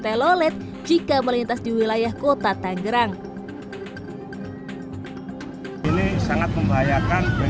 telolet jika melintas di wilayah kota tanggerang ini sangat membahayakan